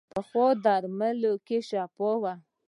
پخو درملو کې شفا وي